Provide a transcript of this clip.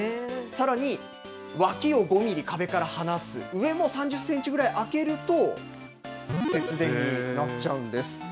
さらに脇を５ミリ壁から離す、上も３０センチぐらい空けると、節電になっちゃうんです。